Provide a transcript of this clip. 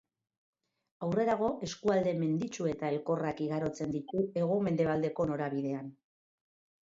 Aurrerago eskualde menditsu eta elkorrak igarotzen ditu hego-mendebaldeko norabidean.